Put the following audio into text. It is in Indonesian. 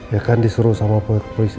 ya kan disuruh sama polisi